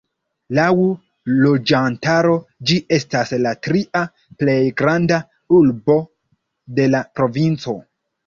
Laŭ loĝantaro ĝi estas la tria plej granda urbo de la provinco.